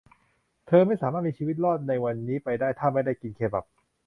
เธอไม่สามารถมีชีวิตรอดในวันนี้ไปได้ถ้าไม่ได้กินเคบับ